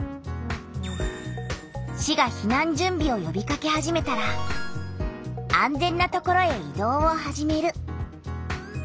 市が避難準備をよびかけ始めたら「安全な所へ移動を始める」。